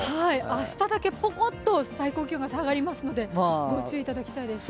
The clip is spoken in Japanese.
明日だけぽこっと最高気温が下がりますので、ご注意いただきたいです。